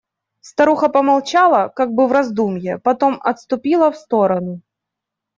Старуха помолчала, как бы в раздумье, потом отступила в сторону.